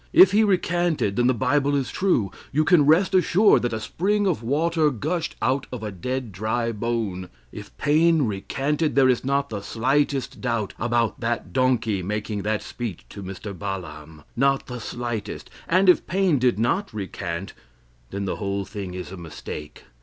If he recanted, then the Bible is true you can rest assured that a spring of water gushed out of a dead dry bone. If Paine recanted, there is not the slightest doubt about that donkey making that speech to Mr. Baalam not the slightest and if Paine did not recant, then the whole thing is a mistake.